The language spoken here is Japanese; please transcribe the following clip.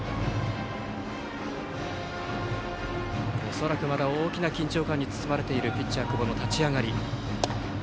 恐らくまだ大きな緊張感に包まれているピッチャー、久保の立ち上がり。